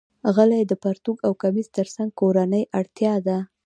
غلۍ د پرتوګ او کمیس تر څنګ کورنۍ اړتیا ده.